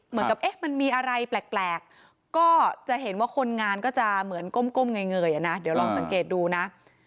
เหมือนกับเอ๊ะมันมีอะไรแปลกก็จะเห็นว่าคนงานก็จะเหมือนก้มเงยอ่ะนะเดี๋ยวลองสังเกตดูนะ